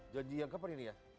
janji yang kapan ini ya